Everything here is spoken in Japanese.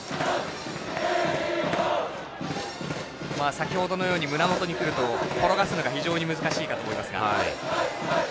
先ほどのように胸元にくると転がすのが非常に難しいかと思いますが。